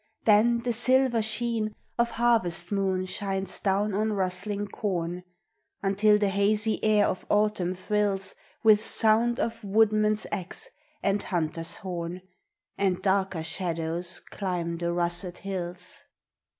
Then the silver sheen Of harvest moon shines down on rustling corn Until the hazy air of Autumn thrills With sound of woodman's ax and hunter's horn, And darker shadows climb the russet hills.